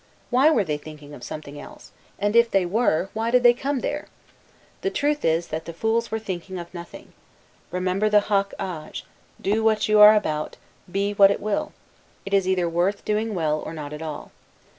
Why were they thinking of something else? and if they were, why did they come there? The truth is, that the fools were thinking of nothing. Remember the 'hoc age,' do what you are about, be what it will; it is either worth doing well, or not at all.